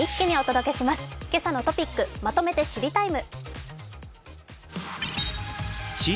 「けさのトピックまとめて知りＴＩＭＥ，」。